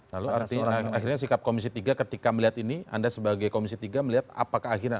lalu artinya sikap komisi tiga ketika melihat ini anda sebagai komisi tiga melihat apakah akhirnya